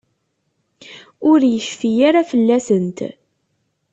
Ur yecfi ara fell-asent.